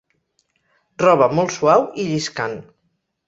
Roba molt suau i lliscant.